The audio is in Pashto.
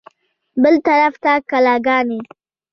بل طرف ته کلاګانې.